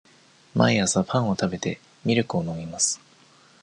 毎朝パンを食べて、ミルクを飲みます。